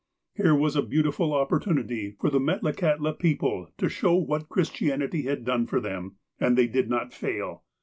Here was a beautiful opportunity for the Metlakahtla people to show what Christianity had done for them. And they did not fail.